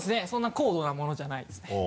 そんな高度なものじゃないですね。